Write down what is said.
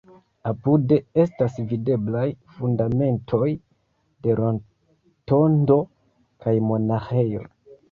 Apude estas videblaj fundamentoj de rotondo kaj monaĥejo.